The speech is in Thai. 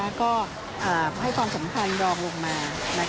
แล้วก็ให้ความสำคัญดอกมา